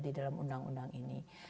di dalam undang undang ini